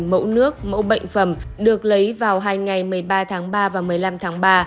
mẫu nước mẫu bệnh phẩm được lấy vào hai ngày một mươi ba tháng ba và một mươi năm tháng ba